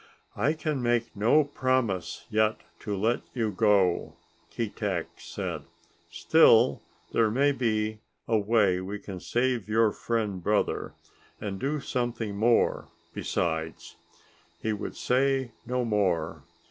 "I can make no promise yet to let you go," Keetack said. "Still there may be a way we can save your friend brother and do something more besides." He would say no more.